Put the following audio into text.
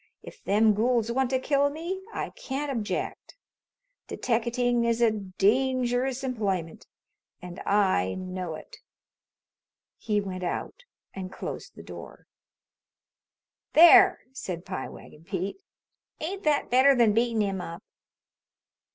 If them gools want to kill me, I can't object. Deteckating is a dangerous employment, and I know it." He went out and closed the door. "There," said Pie Wagon Pete. "Ain't that better than beatin' him up?"